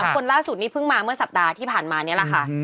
คนล่าสุดนี้เพิ่งมาเมื่อสัปดาห์ที่ผ่านมานี่แหละค่ะ